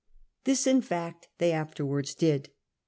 This, in fact^ they afterwards did.